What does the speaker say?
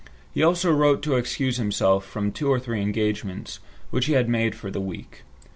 He also wrote to excuse himself from two or three engagements which he had made for the week.